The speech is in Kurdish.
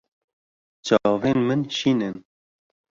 Çavên min şîn in.